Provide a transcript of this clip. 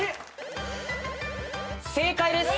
正解です！